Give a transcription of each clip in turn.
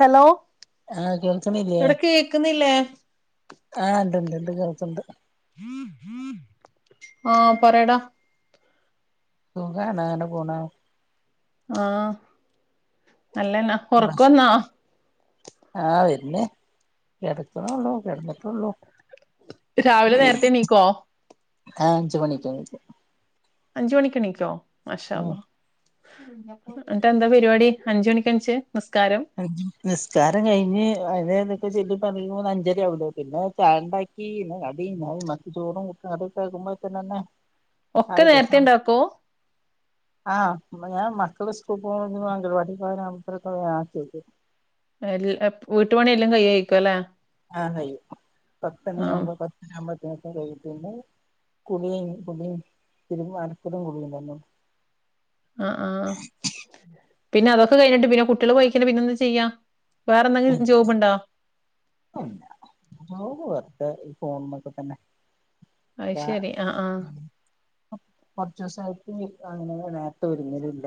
Hello ആഹ് കേൾക്കണില്ലേ ഇവിട കേക്കുന്നില്ല. ആഹ് ഇണ്ട്ണ്ട് ണ്ട് കേൾക്ക്ണ്ട്. [unintelligible] ആഹ പറട. സുഖാണ എങ്ങന പോണ്? ആ നല്ലന്നാ, ഉറക്കന്നാ പിന്നെ കിടക്കണള്ളൂ കിടന്നിട്ടുള്ളും. രാവിലെ നേരത്തെ എണ്ണീക്കോ? ആഹ അഞ്ചു മണിക്ക് എണീക്കും. അഞ്ച് മണിക്ക് എണിക്കോ? മഷ ഉം അള്ള [unintelligible] എന്നട്ട എന്താ പരിപാടി? അഞ്ചു മണിക്ക് എണീച്ച്? [inaudible] നിസ്കാരം കഴിഞ്ഞ് അ [unintelligible] ചെല്ലി പറ്പറയുമ്പോ അഞ്ചര ആവുല്ലേ പിന്നെ ചായ ഉണ്ടാക്കി പിന്നെ കടി [unintelligible] ചോറും [inaudible] [unintelligible] ഒക്കെ ആയില്ലേ സമയം. നേരത്തെണ്ടാക്കോ? ആഹ് ഞാൻ മക്കള് സ്കൂ അംഗൽവാടിക്കക്ക [unintelligible] എ വീട്ടു പണെല്ലാം കൈയിക്ക അല്ലേ ആഹ കയ്യോ പത്തന അമ്പ പത്തന അമ്പ കുളിയും കുളിയും തിരുമ്പലും കുളിയും കയിഞ്ഞു ആ ആഹ് പിന്നെ അതൊക്കെ കഴിഞ്ഞിട്ട് പിന്നെ കുട്ടികൾ പോയിക്കാനെ പിന്നെ എന്ത് ചെയ്യാ വേറെ എന്തെങ്കിലും ജോബുണ്ടോ അന്ന വെർദെ ഈ ഫോണിനൊക്കെ തന്നെ അത് ശരി ആഹ് ആഹ് കുച്ചച് ദിവസായിട്ട് അങ്ങനെ നേർത്തെ ഒരുങ്ങലില്ല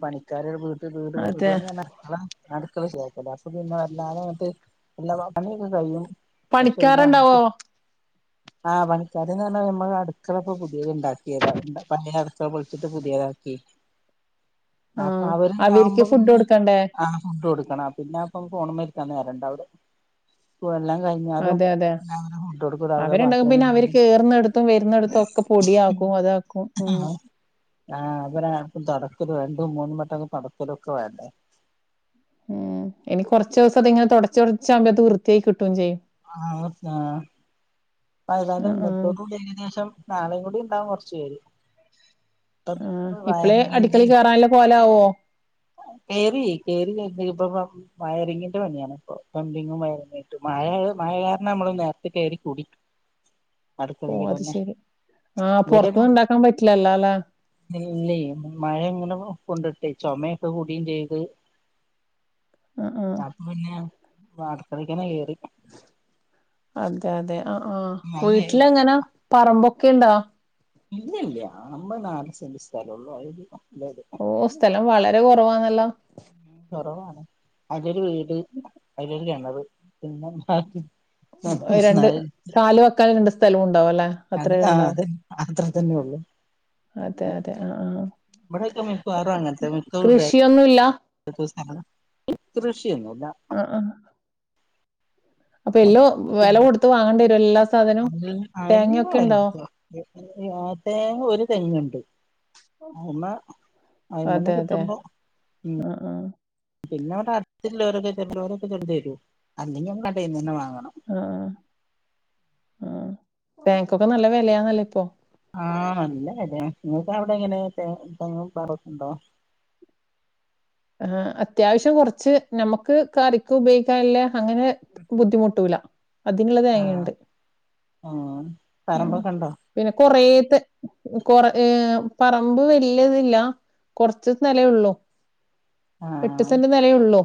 പണിക്കാരരു വീട് പണി വീട് അതെ പണി ന്ന് പറഞ്ഞ അപ്പൊ പിന്നെ വല്ലാതങ്ങട്ട് എല്ലാ പണിയൊക്കെ കഴിയും പണിക്കാറുണ്ടാവോ ആഹ് പണിക്കാരന്ന് പറഞ്ഞാ നമ്മള് അടുക്കള ഇപ്പോപുതിയത് ഇണ്ടാക്കിയതാ പഴയ അടുക്കള പൊളിച്ചിട്ട് പുതിയതാക്കി അപ്പൊ ആഹ് അവര് ണ്ടവുമ്പോ അവർക്ക് ഫുഡ് പിന്നെ കൊടുക്കണ്ടേ ആ ഫുഡ്‌ കൊടുക്കും പിന്നെ അപ്പം ഫോൺമൽ ഇരിക്കാൻ നേരെണ്ടാവൂല അതെ അതെ അവരെ അവരുണ്ടകും പാത്രം പിന്നെ അവര് കഴുകലും കയറുന്നിടുത്തും വരുന്നിടുത്തും ഒക്കെ പൊടിയാക്കും അതാക്കും ഉ ആഹ് അത ആക്കോറ [unintelligible] രണ്ടും മൂന്നും വട്ടം തുടക്കലൊക്കെ വേണ്ടേ ഉം ഇനി കുറച്ച ദിവസം അത് ഇങ്ങനെ തുടച്ചു തുടച്ചാവുമ്പോ അത് വൃത്തിയായി കിട്ടും ചെയ്യും ആഹ പയതാല ആ ആ ഇന്നത്തോട് കൂടി ഏകദേശം നാളെയും കൂടി ഉണ്ടാവും കൊറച്ച ആ ഇപ്പളേ അടുക്കളി കേയറാനല്ലേ പോ ലാവോ കയറി കറി ഇപ്പ വയറിങ്ങിന്റെ പണിയാണ് ഇപ്പൊ പ്ലമ്പിങ്ങും വയറിങ്ങും ആട്ട മഴ മഴ കാരണം നമ്മള് നേരത്തെ കയറി കൂടി അടുക്കള ഓ അത് തന്നെ ശരി ആ പുറത്തുന്ന് ഉണ്ടാക്കാൻ പറ്റില്ലല്ലോ അല്ലെ ഇല്ല മഴ ഇങ്ങനെ കൊണ്ടിട്ടേ ചുമേ ഇ കൂടിയും ചെയ്ത് ആ ആ അപ്പൊ പിന്നെ അടുക്കളക്കന്നെ കേറി അതെ അതെ ആ ആ വീട്ടില് എങ്ങനെ പറമ്പൊ ഒക്കെണ്ടോ ഇല്ല ഇല്ല പറമ്പ് നാല് സെന്റ് സ്ഥലള്ളു അ ഓ സ്ഥലം വളരെ കുറവാ എ ല്ലോ കുറവാണ് അതില് വീട് അയിലൊരു കിണറ് പിന്നെ [unintelligible] രണ്ട് കാല് വെക്കൻ രണ്ട് സ്ഥലവും ഉണ്ടാവും അല്ലെ അത് അത്ര ആ ണ്ടാവും അത് അത്ര തന്നെ ഉള്ളു അതെ അതെ ആ ആ ഇവിടെയൊക്കെ കൃഷിയൊന്നുഇല്ല [unintelligible] ർഷ് ട്ടി എന്നുല്ല ആ ആ അപ്പൊ എല്ലോ [unintelligible] വെല കൊടുത്ത് വാങ്ങേണ്ടി വരും എല്ലാ സാധനവും? തേങ്ങയൊക്കെ ഇണ്ടോ? തേങ്ങ ഒരു തേങ്ങുണ്ട് അഹ്മ ഐമന്ന് അതെ, അതെ. കിട്ടുമ്പ ഇ ആഹ്, ആഹ്. പിന്നെ വിടെ അടുത്തുള്ളോരൊക്കെ [unintelligible] തരു അല്ലെങ്കി ങ്ങ കടേന്നെന്നെ വാങ്ങു ആഹ് ആഹ് തേങ് കൊക്കെ നല്ല വെലയാന്നല്ലേ പ്പൊ ആ നല്ലവെലെ നിങ്ങൾക്ക് അവിടെ എങ്ങനെ തേങ്ങ [unintelligible] അഹ് അത്യാവശ്യം കുറച്ച് നമ്മുക്ക് കറിക് ഉപയോഇക്കൻല്ല അങ്ങനെ ബുദ്ധിമുട്ടൂല അതിനുള്ള ആ തേങ്ങണ്ട് ആ പറമ്പൊക്കെ ഉണ്ടോ പിന്നെ കൊറേ ന്ത് കൊറ ഏ പറമ്പ് ഇലിയതല്ല കൊറച്ച് നിലയുള്ളൂ ആ ആ എട്ട് സെന്റ് നിലയുള്ളു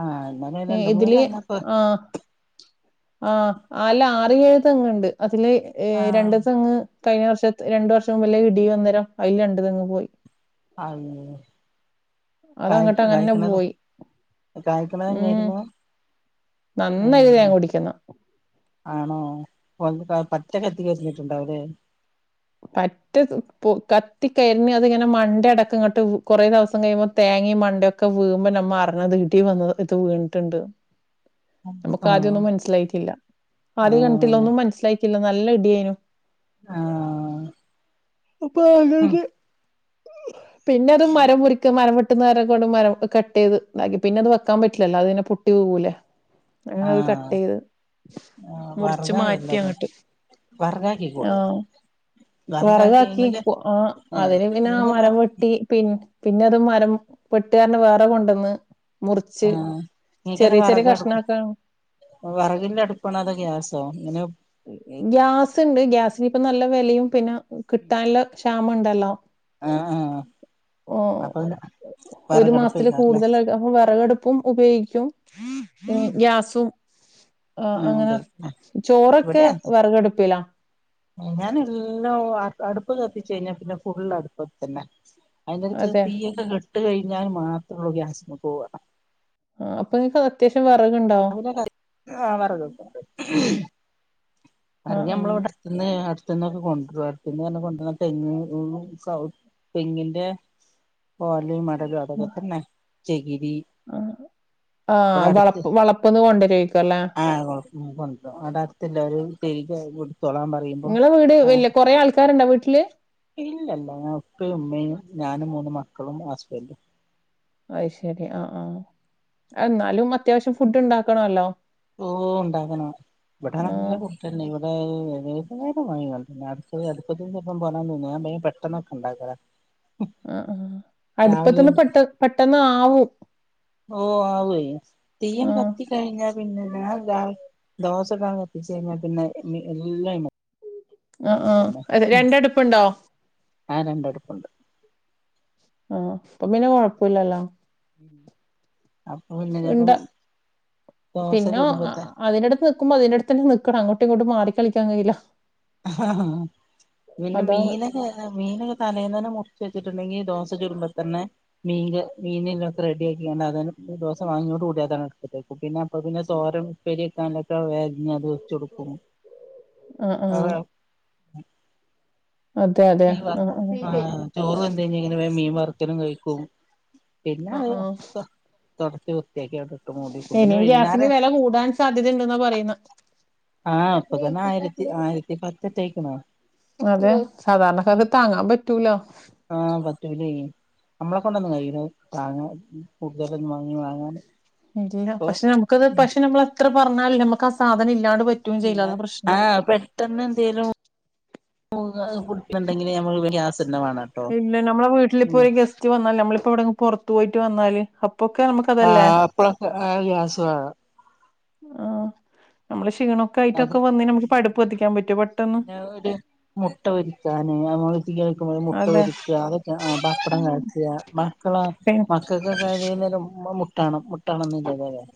ആഹ് ഇന്നലെ ഏ രണ്ട് മൂന്ന് ഇതില് തെങ്ങൊക്കെ ആ ആഹ് അല്ല ആറി എഴുതെങ്ണ്ട് ഇതില് ഏ ആഹ് രണ്ട് തെങ് കഴിഞ്ഞ വർഷ ത് രണ്ടു വർഷം മുമ്പല്ലേ ഇടി വന്നേരം അയിൽ രണ്ടു തെങ്ങ് പോയി കായിക് അതങ്ങട്ട് അങ്ങനെ കായിക്ണതൊ പോയി ഉം കായ്ക്ണെന്നെയ്രുന്നു നന്നായി തേൻ അഹ് കുടിക്കുന്ന ആണോ പൊ [unintelligible] പച്ചന്നെ അത്തി കര്ഞ്ഞിട്ടുണ്ടാവ് ലെ പറ്റ്ത് പൊ കത്തി കരിഞത് ങ്ങനെ മണ്ട അടക്ക ഇങ്ങോട്ട് കുറെ ദിവസം കഴിയുമ്പോ തേങ്ങി മണ്ടൊക്കെ വീമ്പോ നമ്മൾ അർണത് ഇടി വന്ന ഇത് വീണിട്ടുണ്ട് നമുക്ക് ആഹ് ആദ്യംൊന്നും മനസ്സിലായിട്ടില്ല ആദ്യം ആഹ് കണിട്ടില്ലൊന്നും മനസ്സിലായി ല്ല നല്ല ഇടിയായിനു ആ അപ്പൊ ആകട്ട ഉം പിന്നെ അത് മരം മുറിക്ക മരം വെ ട്ടുന്നേര കൊണ്ട് മരം ഹ് കട്ടയ്ത് താക്കി പിന്നെ അത് വെക്കാൻ പറ്റില്ലല്ലോ അതിനെ പൊട്ടി വികൂലേ അങ്ങനെത് ആഹ് കട്ടെയ്ത് ആഹ് മുറിച്ച് മാറ്റി വറകായല്ലോ അത് അങ്ങട്ട് വറകാക്കി കൂടെ ആഒ വറകാക്കി വെറകാക്കി ഇങ്ങക്ക് പൊ ആ ഏഹ് അതിന് പിന്നെ ആ ഇങ്ങക്കെന്നാ മരം വെട്ടി പി പിന്നെ തത് മരം പെട്ടാര്നെ വേറെ കൊണ്ടോന്ന് ആഹ് നിക്ക്ന്നെ വറകടുപ് കഷ്ണാക്കാണ് വറകിന്റെ അടുപ്പണോ അതോ ഗ്യാസോ ങ്ങനെ ഗ്യാസ് ഉണ്ട് ഗ്യാസിന് ഇപ്പ നല്ല വെലയും പിന്നെ കിട്ടാനുള്ള ചാമുണ്ഡല ആഹ് ആഹ് ഓ അപ്പൊ പിന്നെ ഒരു മാസത്തില് വറകടുപ്പേക്കാരല്ലേ കൂടുതല അപ്പ വിറകടുപ്പും ഉപയോഗിക്കും ഗ്യാസും ആ ആഹ് അങ്ങനെ അതെ ചോറൊക്കെ ഇവിടെ ഒക്കെ അത് വിറക് അടുപ്പിലാ ഞാൻ എല്ലാം അടുപ്പ് കത്തിച്ച് കഴിഞ്ഞാ പിന്നെ ഫുൾ അടുപ്പത്തിൽത്തന്നെ അതിന്റെടിയിക്ക് അതെ തീയൊക്കെ കെട്ട് കഴിഞ്ഞാൽ മാത്രേയുള്ളൂ ഗ്യാസിൽ പോവാ ആ അപ്പൊ നിക്ക് അത്യാവശ്യം വേറെ ആ വിറകൊക്കെ ഇണ്ട് വിറക് ആഹ് നമ്മൾ ആഹ് ഇവിടെത്തന്നെ അടുത്തിന്ന് കൊണ്ടവന്നു കൊണ്ടവന്നു തേങ്ങ് തെങ്ങിന്റെ ഓലയും മട്ടയ്യും അതൊക്കെ തന്നെ [unintelligible] [inaudible] ഇവി ആഹ് ആഹ് ഇവിടെ ആഹ് അടുത്ത് വളപ്പ് വളപ്പ്ന്ന് കൊണ്ടരേക്കും അല്ലേ ആ കൊണ്ടും അവിടെ അടുത്ത്ല്ല ഓര് [unintelligible] നിങ്ങളെ വീട് വലിയ കൊറെ ആൾക്കാരിണ്ട വീട്ടിൽ വീട്ടിൽ ഇല്ലല്ല ഞാൻ ഉപ്പയും ഉമ്മയും ഞാനും മൂന്നും മക്കളും ഹസ്ബൻഡും അത് ശരി ആ ആ എന്നാലും അത്യാവശ്യം ഫുഡ് ഉണ്ടാക്കണമല്ലോ ഓ ഉണ്ടാക്കാണം ഇവിടെ നല്ല ആഹ് ഫുഡ്‌ത്തന്നെ മായി അടു അടു ചെപ്പം പോകൻ തന്ന ഞാൻ ഭയ പെട്ടെന്നൊക്കെ ഉണ്ടാക്കരാ [unintelligible] ആ അടുപ്പത്തിന്ന് പെട്ട പെട്ടെന്ന് ആകും ആവോയ്യ് ഓ ആവോ തീ അങ്ങ് ആഹ് കത്തിക്കാഴിഞ്ഞാ പിന്നെ ദോശക്ക് കത്തിച്ച് കഴിഞ്ഞ പിന്നെ എല്ലാം ആ ആ തന്നെ രണ്ടടുപ്പുണ്ടോ ആ രണ്ടടുപ്പുണ്ട് ആ അപ്പൊപ്പിന്നെ കൊഴപ്പില്ലല്ലോ അപ്പൊ പിന്നെ ഇണ്ട ചിലപ്പം ദോശ പിന്നെ ചുടുമ്പത്തെ അതിനാടുത്ത് നിൽക്കുമ്പോ അതിന്റെ അടുത്ത് തന്നെ നിക്കണം അങ്ങോട്ട് എങ്ങോട്ടും മാറിക്കളിക്കാൻ കഴിയില്ല ആ പിന്നെ അതാണ് മീനൊക്കെ മീനൊക്കെ തലേന്നന്നെ മുറിച്ച് വച്ച വെച്ചിട്ടുണ്ടെങ്കി ദോശ ചുടുമ്പോ തന്നെ മീൻ മീനല്ലൊക്കെ റെഡിയ ആക്കയാണ്ട് അതന്നെ ദോശ വാങ്ങിയോട് കൂടി അതാണ് എടുത്തിട്ടേക്കും പിന്നെ അപ്പ പിന്നെ ചോറും ഉപ്പരിക്കാനൊക്കെ വേഗം അരിഞ്ഞി അത് വെച്ചകൊടുക്കും കൊടുക്കും ആ ആ ഉം മീൻ ആഹ് വറുത്ത ആ ആഹ് ചോറ് വെന്ത് കഴിഞ്ഞ ഇങ്ങനെ മീൻ വറുക്കും വെക്കലും കഴിക്കും പിന്നെ ആഹ് അത് ആഹ് തൊടച്ചു ഇനിയും ഗ്യാസിന് വില കൂടാൻ സാധ്യതയുണ്ടെന്നാ പറയുന്നെ ആ ഇപ്പൊ തന്നെ ആയിരത്തി ആയിരത്തി പത്തിട്ടേക്കുന്ന് അതെ സാധാരണക്കാർക്ക് താങ്ങാൻ പറ്റൂല ആ പറ്റൂല ഇനി നമ്മളെ കൊണ്ടെന്നും കഴിയൂല താങ്ങാൻ കൂടുതലൊന്നും വാങ്ങി വാങ്ങാൻ ഇല്ല പക്ഷെ നമുക്കത് പക്ഷെ നമ്മള് എത്ര പറഞ്ഞാലും നമുക്ക് ആ സാധനം ഇല്ലാണ്ട് പറ്റുകയും ചെയ്യില്ല അതാ ഇല്ലാതെ ആ പ്രശ്നം പെട്ടെന്ന് എന്തേലും [unintelligible] ഫുഡുണ്ടെങ്കിലെ നമ്മൾ ഇവിടെ ഗ്യാസ് തന്നെ വേണംട്ടോ ഇല്ല നമ്മളെ വീട്ടിലിപ്പോ ഉം ഒരു ഗസ്റ്റ് വന്നാൽ നമ്മളിപ്പോ ഇവിടുന്ന് പുറത്ത് പോയി ട്ട് വന്നാല് അ ആ അപ്പഴൊക്കെ ഗ്യാസ് വേണം ആ നമ്മള് ക്ഷീണൊക്കെ അതെ ആയിട്ടൊക്കെ വന്നേന നമുക്ക് അടുപ്പ് കത്തിക്കാൻ പറ്റോ പെട്ടെന്ന് പിന്നെ ഒരു മുട്ട പൊരിക്കാന് [unintelligible] മുട്ട അതെ പൊരിക്കുക അതൊക്കെ ആ പപ്പടം കാച്ചുക മക്കള് പി മക്കൾക്കൊക്കെ [unintelligible] തണുപ്പ് [unintelligible]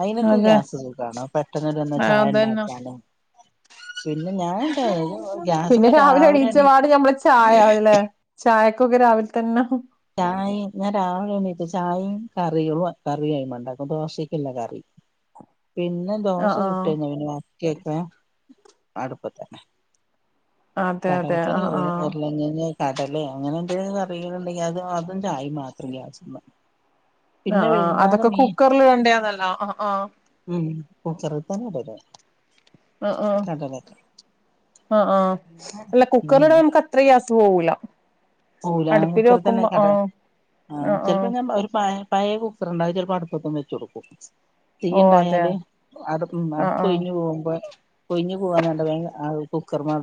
അതിനൊക്കെ അതെ ഗ്യാസ് സുഖാണ് പെട്ടെന്ന് ആ, [unintelligible] ചായ അതന്നെ ഉണ്ടാക്കിയാലും പിന്നെ ഗ്യാസുമ്മെ രാവിലെ എണീ എണീച്ചപാട് ഞമ്മള് ചായ ആവില്ലെ ചായ ക്കൊക്കെ രാവിലെ തന്നെ ചായയും ഞാൻ രാവിലെ എണീറ്റ് ചായയും കറികളും കറി ആദ്യമേ ഉണ്ടാക്കും ദോശക്കുള്ള കറി പിന്നെ ദോശ ആഹ് ചുട്ട് ആഹ് കഴിഞ്ഞ് പിന്നെ ബാക്കിയൊക്കെ അടുപ്പേ തന്നെ അതെ അതെ കടലക്കറി ആഹ് ഉരുള ആഹ് ഉരുളം കിഴങ്ങ് കടലയോ അങ്ങനെ എന്തെങ്കിലും കറികളുണ്ടെങ്കിൽ അത് ആ അതിന്റെ ആയി മാത്രം അല്ലെ ആവശ്യം പറയും ആ ആ അതൊക്കെ കുക്കറിൽ വേണ്ടിയതെല്ലാം ആ ആ ഉം [unintelligible] തന്നെയല്ലേ ഇത് ആ ആ ആ ആ അല്ല കുക്കറിൽ ഇടുമ്പോ നമുക്ക് അത്ര ഗ്യാസ് പോവൂല ക്കൂല അടുപ്പില് കുക്കറി തന്നെ വെക്കുമ്പോ അതെ ആഹ് ആ ആഹ് ചെല് ആഹ് പ്പോ ഞാൻ ഒരു പയേ പഴേ കുക്കർ ഇണ്ട് അത് ചെല് പ്പം അടുപ്പെത്തും വെച്ച് കൊടുക്കും ഓ അതെ തീയ്ണ്ടായാല് അത് ഉം ആഹ് ആഹ് അടുപ്പൊഴിഞ്ഞ് പോകുമ്പോ കൊഴിഞ്ഞു പോവാനാ [unintelligible] വേം കുക്കർമെ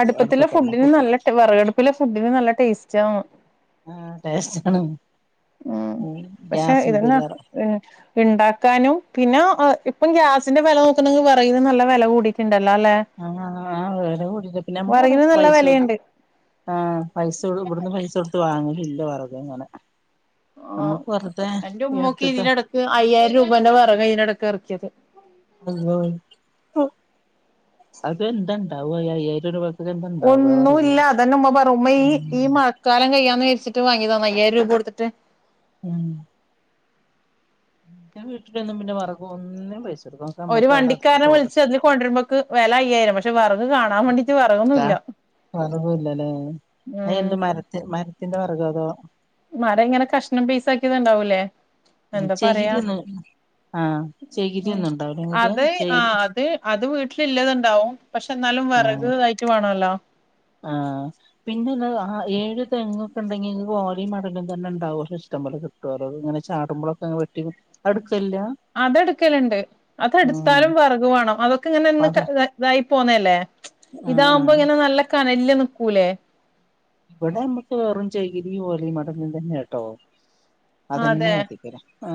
അടുപ്പത്തില് ഫുഡിന് നല്ല വെറകടുപ്പിലെ ഫുഡിന് നല്ല ടേസ്റ്റ് ചാ ആഹ് ടേസ്റ്റാണ് ഉം പക്ഷേ ഇതെന്നാ ഗ്യാസ്മ്മത്തേലേറെ ഇ ഇണ്ടാക്കാനും പിന്നെ ഒ ഇ ഇപ്പം ഗ്യാസിന്റെ വെല നോക്കാന്നെങ്കിവെറകിന് നല്ല വില കൂടിട്ടുണ്ട് ആഹ് ആ ആ വടെ കൂടീട്ട് പിന്നെ നമ്മളവിടെ വെറകിന് നല്ല പൈസ വെലയുണ്ട് ആ പൈസടും ഇവിടുന്ന് പൈസ കൊടു ത്ത് വാങ്ങലില്ല വെറകങ്ങനെ ഓ എന്റെ ഉമ്മക്കേ ഇതിന്റെടക്ക് അയ്യായിരം രൂപന്റെ വെറകാ ഇതിനിടക്ക് ഇറക്കിയത് അയ്യോ അതെന്താണ്ടാവ അയ്യായിരം രൂപ ഒന്നുല്ല അതന്നെ ഉമ്മ പറ് ഉമ്മ ഈ ഈ മഴക്കാലം കയ്യാ ന്ന് വിചാരിച്ചിട്ടി വാങ്ങിയതാ അയായിരം രൂപ കൊടുത്തിട്ട് ഉം ഉം ന്റെ വീട്ടിലന്നും പിന്നെ വെറെകൊ ഒന്നിനും പൈസ കൊടുക്കും ഒക്കെ ഒരു നമ്മക്ക് അവിടെ അടുത്ത് വണ്ടിക്കാരനെ ഫോറസ്റ്റാ വിളിച്ചതിൽ കൊണ്ടുവരുമ്പോക്ക് വെല അയ്യായിരം പക്ഷേ വറ ആ വെറകൂല്ലല്ലേ അ ഉം എന്റെ മരത്തെ മര ത്തിന്റെ വർകോ അതോ മര ഇങ്ങനെ കഷ്ണം പീസാ ക്കിയത്ണ്ടാവൂലേ എന്താ പറയാ ചകിരിയൊന്നും ആഹ് ചകിരിയൊന്നും ഉണ്ടാവില്ലേ നിങ്ങൾക്ക് അത് ആ ചകിരി അത് അത് വീട്ടിലില്ലതുണ്ടാവും പക്ഷേന്നാലും വിറക് തായിയിട്ട് വേണല്ലോ ആ പിന്നെല്ല ഏഴ് തെങ്ങൊക്കെ ഉണ്ടെങ്കി നിങ്ങക്ക് ഓലയും മടലും തന്നെ ഉണ്ടാവുല്ലോ ഇഷ്ടംപോലെ കിട്ടുവല്ലോ ഇങ്ങനെ ചാടുമ്പോഴൊക്കെ വെട്ടിടു അതെടുക്കലുണ്ട് അതെടുത്താലും വെർഗ് വേണം അതൊക്കെ ഇങ്ങനെ ഇ അത ഇതായി പോന്നല്ലേ ആഹ് ഇതാവുമ്പോ ആഹ് ഇങ്ങനെ നല്ല ല്ല് നിക്കൂലേ ഇവിടെ നമ്മുക്ക് വെറും ചൈകിരി ഓലെം മടലും തന്നെ കേട്ടോ അതന്നെ അതെ കത്തിക്കണം ആ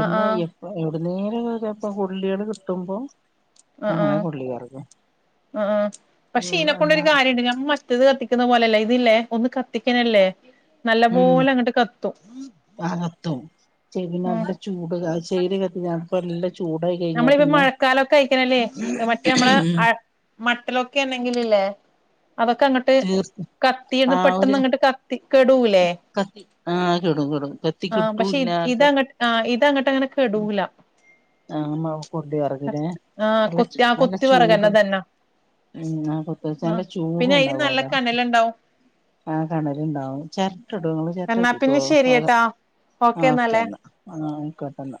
ആഹ് ആഹ് അ നേരായപ്പ കൊല്ലികള് കിട്ടുമ്പോ ആ അങ്ങനെ ആഹ് കൊള്ളി കറക്കും ആ ആഹ് പക്ഷെ ഉം ഇനെ അല്ല കൊണ്ടൊരു കാര്യുണ്ട് ഞാൻ മറ്റത് കത്തിക്കുന്ന പോലെയല്ല ഇതില്ലേ ഒന്ന് കത്തിക്കണേല്ലേ ഉം അ കത്തും ചെവി ഉം നല്ല ചൂട് ആ ചേര് കത്തിയാ പല്ല് നമ്മളിപ്പ മഴക്കാലൊക്കെ അയിക്കണല്ലേ മറ്റേ നമ്മള മട്ടലൊക്കെ ഉണ്ടെങ്കിലല്ലേ അതൊക്കെ അങ്ങട്ട് തീർത്ത് കത്തിന്ന് ആ പെട്ടന്ന് ഒരു അങ്ങട്ട് കത്തി കെടൂലേ കത്തി ആഹ് കെടും കെടും കത്തി ആ പക്ഷെ കിട്ടൂല്ല ഇ ആർക്ക ഇതങ്ങട്ട് ആ ഇതങ്ങട്ട് അങ്ങനെ കെടൂല ആ കൊല്ലി വറകിലെ ആഹ് നല്ല കൊത്തി ആ നല്ല കൊത്തി ചൂട വെറകന്നെ ഇതന്നെ ഉ ആ കൊത്ത് നല്ല ആഹ് ചൂട പിന്നെ അയിന് നല്ല ഉണ്ടാവുംല്ലോ കനലുണ്ടാവും ആ കിണല ഉണ്ടാവും ചിരട്ട ഇടങ്ങ എന്നാ ചിരട്ടത്തിക്ക പിന്നെ ശരിയട്ടാ ഓക്കെ ഓക്കൊ എന്നാലേ ആ ക്കട്ടന്ന